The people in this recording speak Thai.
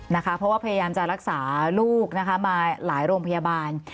เพราะว่าพยายามจะรักษาลูกนะคะมาหลายโรงพยาบาล